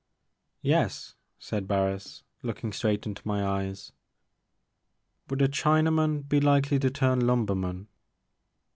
35 "Yes/* said Bams, looking straight into my eyes. Would a Chinaman be likely to turn Itunber man?'